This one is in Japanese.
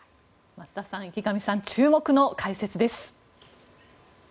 増田さん、池上さん注目の解説です。